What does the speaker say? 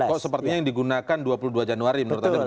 kok sepertinya yang digunakan dua puluh dua januari menurut anda begitu